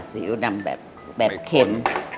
ซีเอ้วกะดำแบบเค็ม